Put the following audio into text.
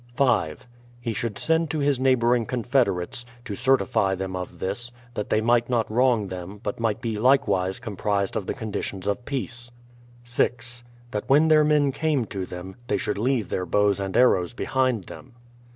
5. He should send to his neighboring confederates, to certify them of this, that they might not wrong them, but might be likewise comprised in the conditions of peace. 6. That when their men came to them, they should leave their bows and arrows behind them.